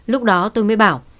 lúc đó tôi mới bảo